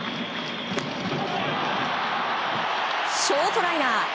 ショートライナー。